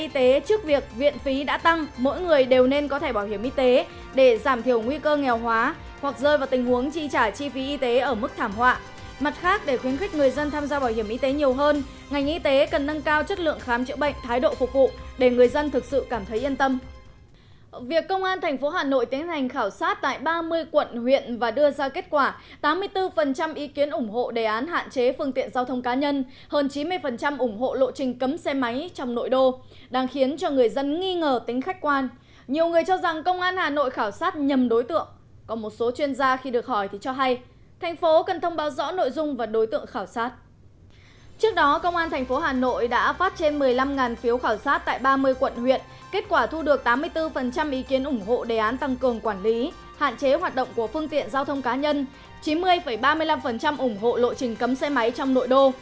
trước đó công an tp hà nội đã phát trên một mươi năm phiếu khảo sát tại ba mươi quận huyện kết quả thu được tám mươi bốn ý kiến ủng hộ đề án tăng cường quản lý hạn chế hoạt động của phương tiện giao thông cá nhân chín mươi ba mươi năm ủng hộ lộ trình cấm xe máy trong nội đô